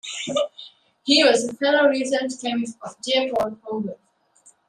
He was a fellow research chemist of J. Paul Hogan.